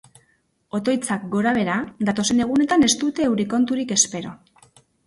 Otoitzak gorabehera, datozen egunetan ez dute euri konturik espero.